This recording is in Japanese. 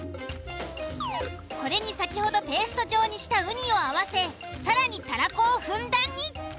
これに先ほどペースト状にしたウニを合わせ更にたらこをふんだんに。